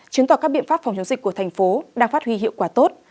chứng tỏ các biện pháp phòng chống dịch của thành phố đang phát huy hiệu quả tốt